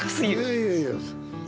いやいやいや。